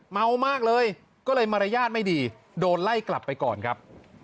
เมามากเลยก็เลยมารยาทไม่ดีโดนไล่กลับไปก่อนครับ